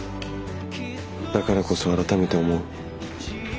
だからこそ改めて思う。